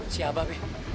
si abah be